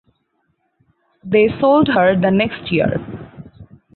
They sold her the next year.